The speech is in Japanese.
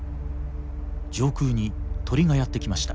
上空に鳥がやって来ました。